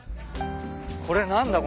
これ何だ？